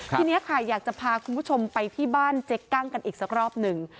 ทีนี้ค่ะอยากจะพาคุณผู้ชมไปที่บ้านเจ๊กั้งกันอีกสักรอบหนึ่ง